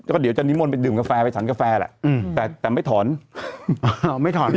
ก็เดี๋ยวจะนิมนต์ไปดื่มกาแฟไปฉันกาแฟแหละแต่ไม่ถอน